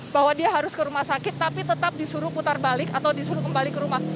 bahwa dia harus ke rumah sakit tapi tetap disuruh putar balik atau disuruh kembali ke rumah